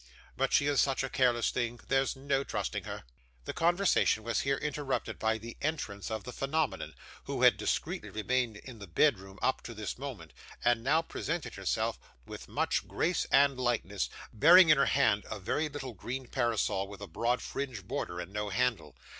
But she is such a careless thing, there's no trusting her.' The conversation was here interrupted by the entrance of the phenomenon, who had discreetly remained in the bedroom up to this moment, and now presented herself, with much grace and lightness, bearing in her hand a very little green parasol with a broad fringe border, and no handle.